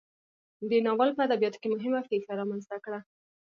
دې ناول په ادبیاتو کې مهمه پیښه رامنځته کړه.